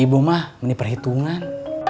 ibu mah meniperhitungan